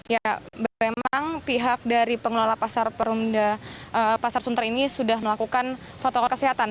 ya memang pihak dari pengelola pasar sunter ini sudah melakukan protokol kesehatan